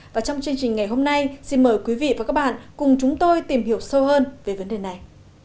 và trong chương trình ngày hôm nay xin mời quý vị và các bạn cùng chúng tôi tìm hiểu sâu hơn về vấn đề này